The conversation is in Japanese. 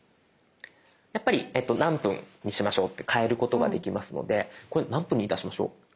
やっぱり何分にしましょうって変えることができますのでこれ何分にいたしましょう？